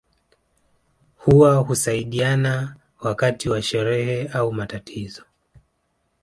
Huwa husaidiana wakati wa sherehe au matatizo